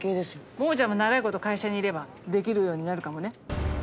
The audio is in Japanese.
モモちゃんも長いこと会社にいればできるようになるかもね。